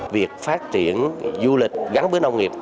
vì vậy việc phát triển du lịch gắn với nông nghiệp